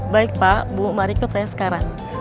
baik pak bu mari ikut saya sekarang